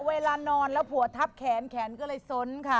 เวลานอนแล้วผัวทับแขนแขนก็เลยส้นค่ะ